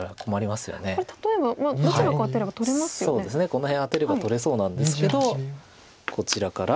この辺アテれば取れそうなんですけどこちらから。